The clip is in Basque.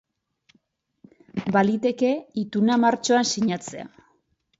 Baliteke ituna martxoan sinatzea.